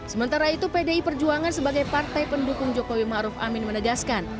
sementara itu pdi perjuangan sebagai partai pendukung jokowi ma'ruf amin menegaskan